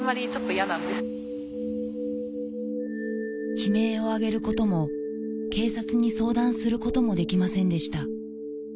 悲鳴を上げることも警察に相談することもできませんでした